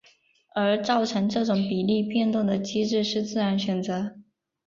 而造成这种比例变动的机制是自然选择。